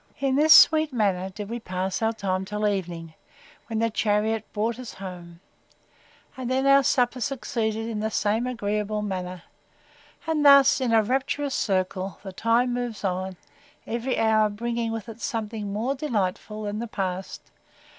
In this sweet manner did we pass our time till evening, when the chariot brought us home; and then our supper succeeded in the same agreeable manner. And thus, in a rapturous circle, the time moves on; every hour bringing with it something more delightful than the past!